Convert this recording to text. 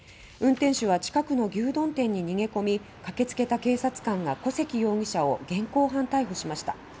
運転手は近くの牛丼店に逃げ込み駆け付けた警察官が古関容疑者を現行犯逮捕しました。